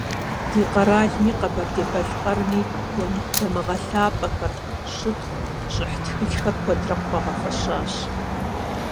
Ди къэралми Къэбэрдей-Балъкъэрми я дамыгъэ лъапӏэхэр, щытхъу, щӏыхь тхылъхэр куэдрэ къыхуагъэфэщащ.